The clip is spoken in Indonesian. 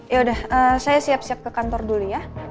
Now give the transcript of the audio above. yaudah saya siap siap ke kantor dulu ya